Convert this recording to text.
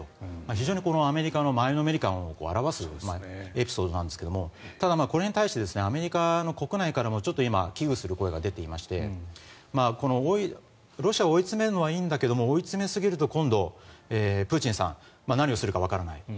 非常にアメリカの前のめり感を表すエピソードなんですけどただ、これに対してアメリカの国内からもちょっと今危惧する声が出ていましてロシアを追い詰めるのはいいんだけれど追い詰めすぎると今度、プーチンさん何をするかわからない。